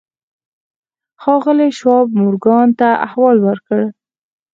ښاغلي شواب مورګان ته احوال ورکړ.